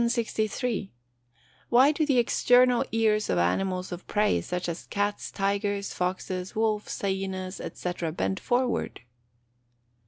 1063. _Why do the external ears of animals of prey, such as cats, tigers, foxes, wolves, hyenas, &c., bend forward?